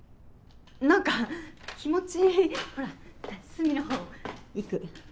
なんか気持ちほら隅の方行く。